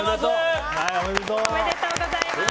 おめでとうございます！